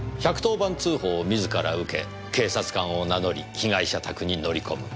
１１０番通報を自ら受け警察官を名乗り被害者宅に乗り込む。